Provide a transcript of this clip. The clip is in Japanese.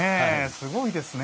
すごいですね。